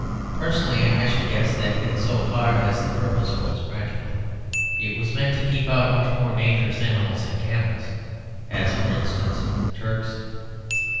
Personally I should guess that, in so far as the purpose was practical, it was meant to keep out much more dangerous animals than camels, as, for instance, Turks.